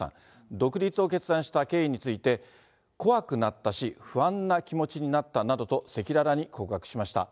独立を決断した経緯について、怖くなったし、不安な気持ちになったなどと、赤裸々に告白しました。